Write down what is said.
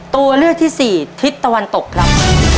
ตัวเลือกที่สี่ทิศตะวันตกครับ